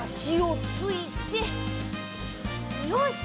よし！